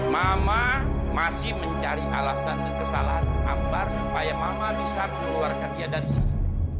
mama masih mencari alasan dan kesalahan ambar supaya mama bisa mengeluarkan dia dari sini